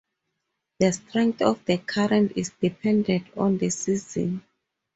The strength of the current is dependent on the season.